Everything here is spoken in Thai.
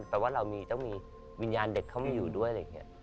แปลว่าเรามีต้องมีวิญญาณเด็กเข้ามาอยู่ด้วยอะไรอย่างนี้